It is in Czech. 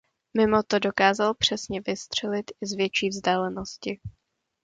Mimo to dokázal přesně vystřelit i z větší vzdálenosti.